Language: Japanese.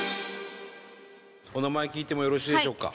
お名前聞いてもよろしいでしょうか？